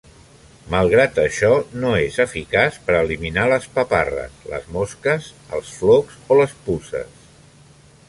Malgrat això, no és eficaç per eliminar les paparres, les mosques, els flocs o les puces.